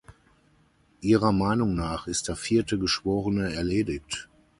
Ihrer Meinung nach ist der vierte Geschworene erledigt.